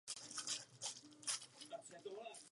Příčinou úmrtí byl zánět plic.